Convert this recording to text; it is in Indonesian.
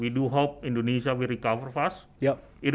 kita berharap indonesia akan segera pulih